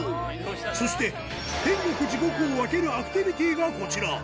そして、天国、地獄を分けるアクティビティがこちら。